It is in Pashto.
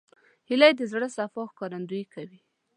هیلۍ د زړه صفا ښکارندویي کوي